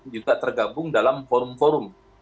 juga tergabung dalam forum forum